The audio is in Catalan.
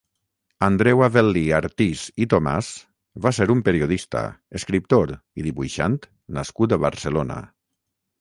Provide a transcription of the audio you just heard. Andreu-Avel·lí Artís i Tomàs va ser un periodista, escriptor i dibuixant nascut a Barcelona.